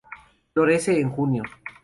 Florece en Junio.